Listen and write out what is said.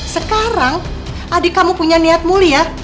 sekarang adik kamu punya niat mulia